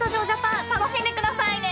楽しんでくださいね。